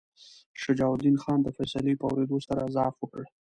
شجاع الدین خان د فیصلې په اورېدو سره ضعف وکړ.